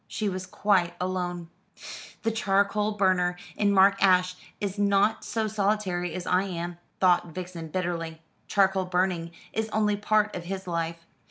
She was quite alone. "The charcoal burner in Mark Ash is not so solitary as I am," thought Vixen bitterly. "Charcoal burning is only part of his life.